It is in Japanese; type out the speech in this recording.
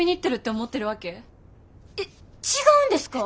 えっ違うんですか？